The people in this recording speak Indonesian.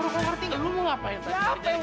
aku tiupin ya